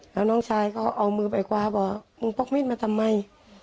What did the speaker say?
แล้วน้องชายก็เอามือไปคว้าบอกมึงพกมีดมาทำไม